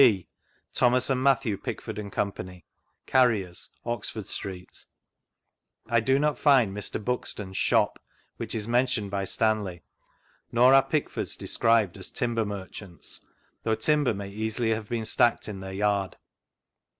{b) Thomas & Matthew Pickford &Co., Carriers, Oxford Street. vGoogIc 4 BISHOP STANLEY I do not find Mr. Buxton's "shop,"' which b mentioned by Stanley; nor are Pickfords described as " timber merchants," though timber may easily hav« been stacked in their yard.